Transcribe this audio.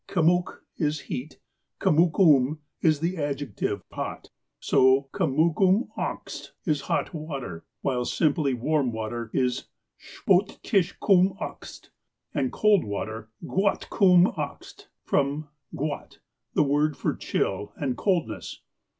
'' Kemmuk '' is heat ;''■ Kemmukum '' is the adjective " hot." So, *' kemmukum akst '' is hot water, while simply warm water is " shpoatishkum akst," and cold water "guatkUm akst" from "guat" the word for chill and coldness.